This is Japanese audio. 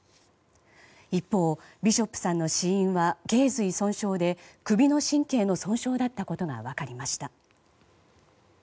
一方、ビショップさんの死因は頸髄損傷で首の神経の損傷だったことが分かりました。